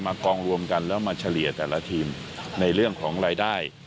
กองรวมกันแล้วมาเฉลี่ยแต่ละทีมในเรื่องของรายได้